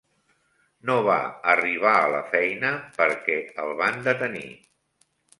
No va arribar a la feina perquè el van detenir.